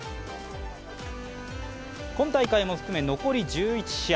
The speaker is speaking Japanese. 今大会も含め残り１１試合。